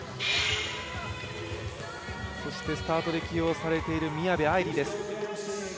そしてスタートで起用されている宮部藍梨です。